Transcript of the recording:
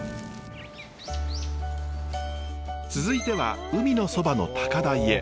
続いては海のそばの高台へ。